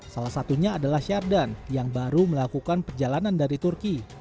salah satunya adalah syardan yang baru melakukan perjalanan dari turki